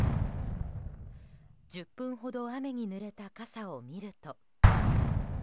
１０分ほど雨にぬれた傘を見ると。